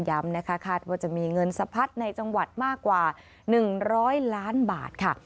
นะคะคาดว่าจะมีเงินสะพัดในจังหวัดมากกว่า๑๐๐ล้านบาทค่ะ